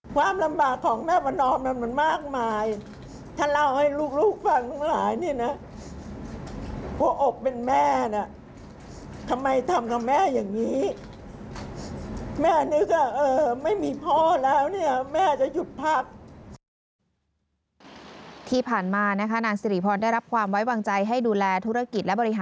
ความลำบากของแม่ประนอมมันมากมาย